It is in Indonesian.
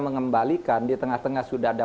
mengembalikan di tengah tengah sudah ada